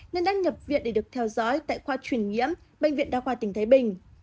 nên đang nhập viện để được theo dõi tại khoa chuyển nhiễm bệnh viện đao khoa tỉnh thái bình